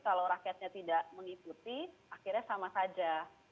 kalau rakyatnya tidak mengikuti akhirnya sama saja